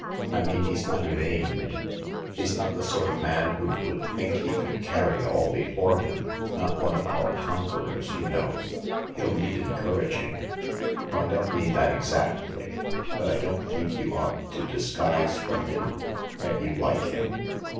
I mean he's not vain — he's not the sort of man who would think he could carry all before him ; not one of our conquerors, you know. He'll need encouraging. No— I don't mean exactly that, but I 16 THE LARK don't think you ought to disguise from him that you like him."